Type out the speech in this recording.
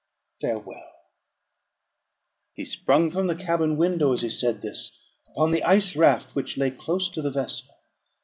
Farewell." He sprung from the cabin window, as he said this, upon the ice raft which lay close to the vessel.